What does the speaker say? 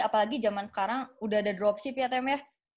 apalagi zaman sekarang udah ada dropship ya tem ya